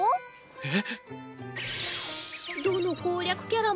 えっ！